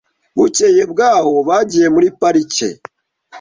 Bukeye bwaho, bagiye muri parike .